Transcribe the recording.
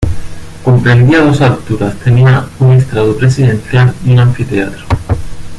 Comprendía dos alturas, tenía un estrado presidencial y un anfiteatro.